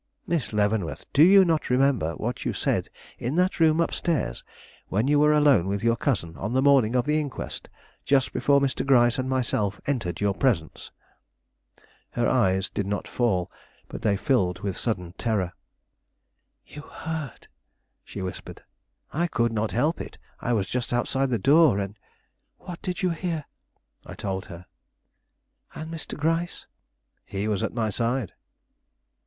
"Miss Leavenworth, do you not remember what you said in that room up stairs, when you were alone with your cousin on the morning of the inquest, just before Mr. Gryce and myself entered your presence?" Her eyes did not fall, but they filled with sudden terror. "You heard?" she whispered. "I could not help it. I was just outside the door, and " "What did you hear?" I told her. "And Mr. Gryce?" "He was at my side."